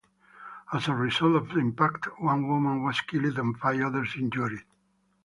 As a result of the impact, one woman was killed and five others injured.